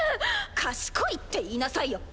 賢いって言いなさいよバカ！